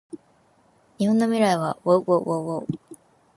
日本の未来はうぉううぉううぉううぉう